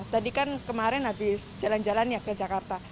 tadi kan kemarin habis jalan jalan ya ke jakarta